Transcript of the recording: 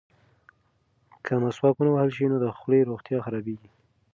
که مسواک ونه وهل شي نو د خولې روغتیا خرابیږي.